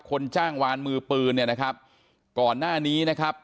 คนจ้างวานมือปืนเนี่ยนะครับก่อนหน้านี้นะครับ